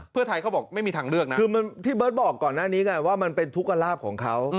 เพื่อไทยเขาบอกไม่มีทางเลือกนะคือที่เบิร์ตบอกก่อนหน้านี้ไงว่ามันเป็นทุกลาบของเขา